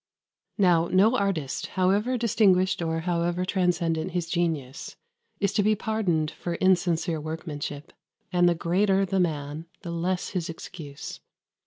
Now, no artist, however distinguished or however transcendent his genius, is to be pardoned for insincere workmanship, and the greater the man, the less his excuse.